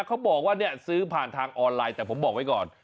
เขาบอกว่าเนี่ยซื้อผ่านทางออนไลน์แต่ผมบอกไว้ก่อน